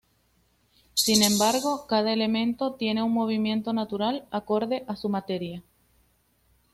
Sin embargo, cada elemento tiene un movimiento natural acorde a su materia.